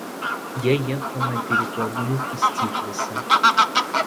Я ехал на перекладных из Тифлиса.